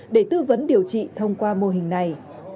để tư vấn điều trị thông qua mô hình này